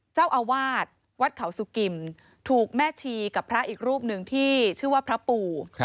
เจ้าอาวาสวัดเขาสุกิมถูกแม่ชีกับพระอีกรูปหนึ่งที่ชื่อว่าพระปู่